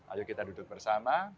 ayo kita duduk bersama